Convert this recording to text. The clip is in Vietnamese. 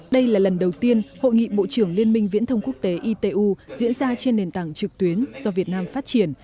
đây là lần đầu tiên hội nghị bộ trưởng liên minh viễn thông quốc tế itu diễn ra trên nền tảng trực tuyến do việt nam phát triển